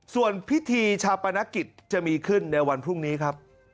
ส่วนพิธีชาปนกิจจะมีขึ้นในวันพรุ่งนี้ครับ